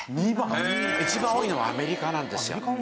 一番多いのはアメリカなんですよ。